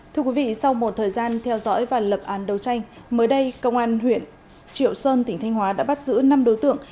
thưa quý vị sau một thời gian theo dõi và lập án đấu tranh mới đây công an huyện triệu sơn tỉnh thanh hóa đã bắt giữ năm đối tượng